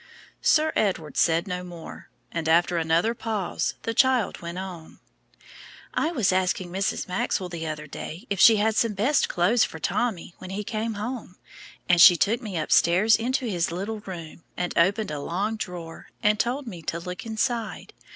Sir Edward said no more, and after another pause the child went on. "I was asking Mrs. Maxwell the other day if she had some best clothes for Tommy when he came home, and she took me upstairs into his little room, and opened a long drawer, and told me to look inside.